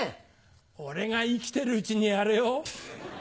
俺が生きてるうちにやれよ！